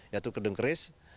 yaitu gedung keris